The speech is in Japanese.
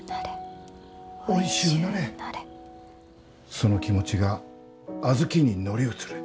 その気持ちが小豆に乗り移る。